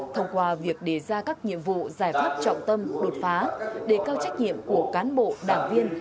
thông qua việc đề ra các nhiệm vụ giải pháp trọng tâm đột phá đề cao trách nhiệm của cán bộ đảng viên